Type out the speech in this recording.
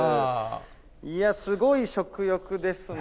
いや、すごい食欲ですね。